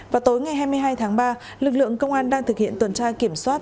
vào tối ngày hai mươi hai tháng ba lực lượng công an đang thực hiện tuần tra kiểm soát